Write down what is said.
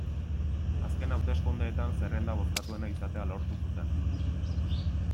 Azken hauteskundeetan zerrenda bozkatuena izatea lortu zuten.